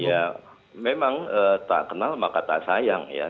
ya memang tak kenal maka tak sayang ya